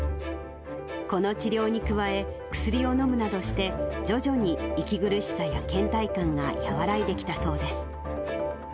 この治療に加え、薬を飲むなどして、徐々に息苦しさやけん怠感が和らいできたそうです。